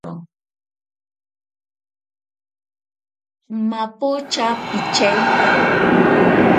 Mapocha pichaenkaro.